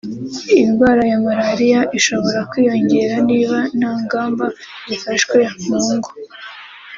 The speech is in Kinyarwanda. indwara ya Malaria ishobora kwiyongera niba nta ngamba zifashwe mu ngo